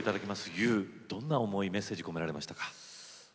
「ＹＯＵ」どんな思い、メッセージを込められましたか。